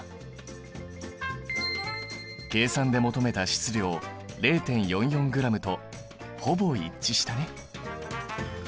計算で求めた質量０．４４ｇとほぼ一致したね。